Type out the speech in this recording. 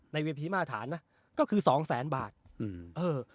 ในวิทยาลัยภาษาฐานนะก็คือ๒แสนบาทอืมเออ